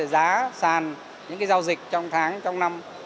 giá sàn những giao dịch trong tháng trong năm